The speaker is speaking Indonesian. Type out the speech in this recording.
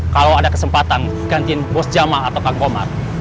kalau ada kesempatan gantiin bos jamal atau kang kumar